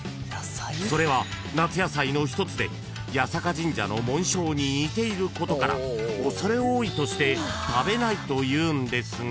［それは夏野菜の一つで八坂神社の紋章に似ていることからおそれ多いとして食べないというのですが］